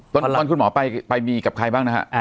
ตอนคุณหมอไปมีกับใครบ้างนะฮะ